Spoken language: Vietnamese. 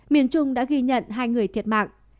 miền trung đã ghi nhận hai người thiệt mạng